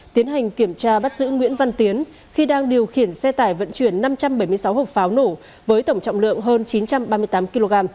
tiến hành kiểm tra bắt giữ nguyễn văn tiến khi đang điều khiển xe tải vận chuyển năm trăm bảy mươi sáu hộp pháo nổ với tổng trọng lượng hơn chín trăm ba mươi tám kg